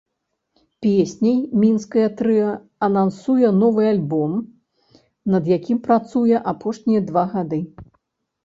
Песняй мінскае трыа анансуе новы альбом, над якім працуе апошнія два гады.